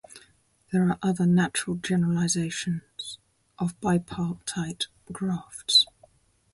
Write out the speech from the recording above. There are other natural generalizations of bipartite graphs.